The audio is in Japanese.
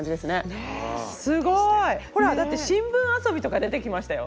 ほらだって「新聞遊び」とか出てきましたよ。